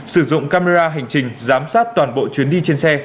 sử dụng camera hành trình giám sát toàn bộ chuyến đi trên xe